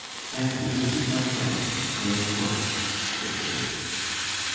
"Auntie, this is my friend, Colonel Thorp," said Kate.